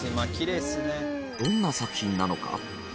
どんな作品なのか？